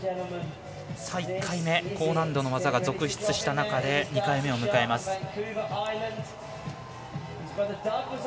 １回目、高難度の技が続出した中で２回目を迎えます。